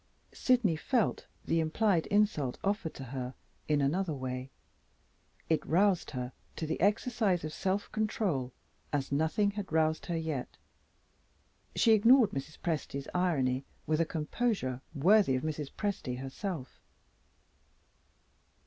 Sydney felt the implied insult offered to her in another way. It roused her to the exercise of self control as nothing had roused her yet. She ignored Mrs. Presty's irony with a composure worthy of Mrs. Presty herself.